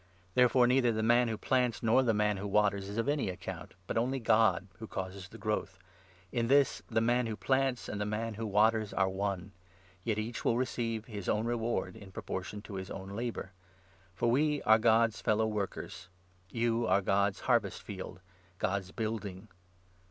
Therefore neither the man who plants, 7 nor the man who waters, is of any account, but only God who causes the growth. In this the man who plants and the 8 man who waters are one ; yet eacli will receive his own reward in proportion to his own labour. For we are God's fellow 9 workers ; you are God's harvest field, God's building.